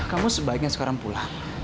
kamu sebaiknya sekarang pulang